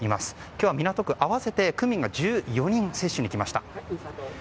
今日は港区、合わせて区民が１４人接種に来ました。